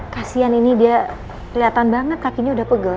kasian ini dia kelihatan banget kakinya udah pegel